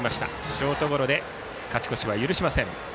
ショートゴロで勝ち越しは許しません。